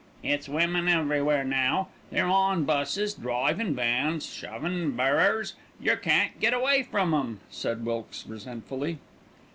"It's women everywhere now. They're on buses, drivin' vans, shovin' barrers yer can't get away from 'em," said Wilkes resentfully.